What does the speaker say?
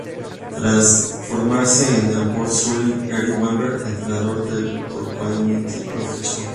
Tras formarse en el Port Sunlight, Eric Webber, entrenador del Torquay United, lo fichó.